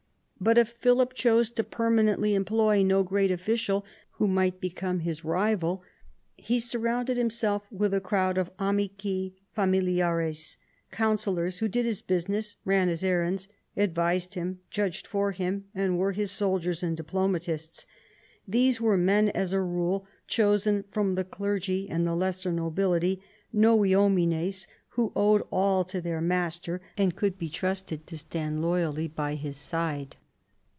But if Philip chose to permanently employ no great official who might become his rival, he surrounded himself with a crowd of amid, familiar es, counsellors, who did his business, ran his errands, advised him, judged for him, and were his soldiers and diplomatists. These were men, as a rule, chosen from the clergy and the lesser nobility, novi homines, who owed all to their master and could be trusted to stand loyally by his side.